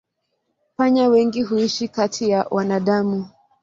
Panya wengi huishi kati ya wanadamu.